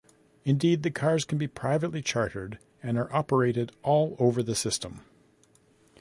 Indeed, the cars can be privately chartered and are operated all over the system.